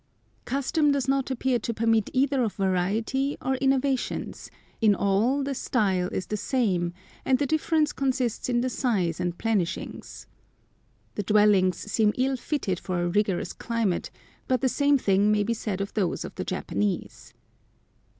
Custom does not appear to permit either of variety or innovations; in all the style is the same, and the difference consists in the size and plenishings. The dwellings seem ill fitted for a rigorous climate, but the same thing may be said of those of the Japanese.